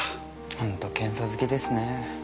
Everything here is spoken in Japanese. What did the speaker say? ホント検査好きですね。